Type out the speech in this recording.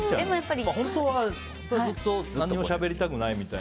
本当はずっとしゃべりたくないみたいな？